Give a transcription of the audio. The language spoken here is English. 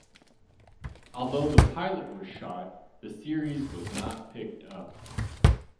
Although the pilot was shot, the series was not picked up.